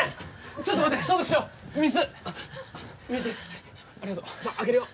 ちょっと待って消毒しよう水水ありがとうさああけるよ